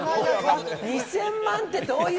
２０００万ってどういう。